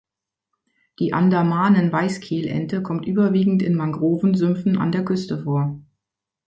Die Andamanen-Weißkehlente kommt überwiegend in Mangrovensümpfen an der Küste vor.